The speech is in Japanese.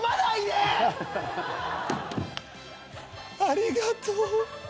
ありがとう。